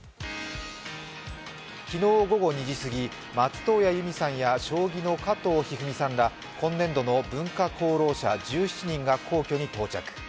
昨日、午後２時すぎ、松任谷由実さんや将棋の加藤一二三さんら、今年度の文化功労者１７人が皇居に到着。